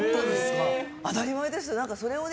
当たり前です。